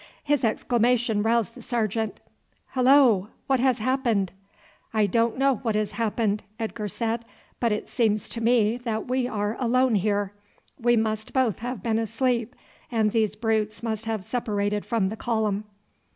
His exclamation roused the sergeant. "Hullo! what has happened?" "I don't know what has happened," Edgar said. "But it seems to me that we are alone here. We must both have been asleep, and these brutes must have separated from the column."